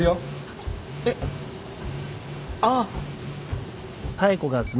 えっ？ああ。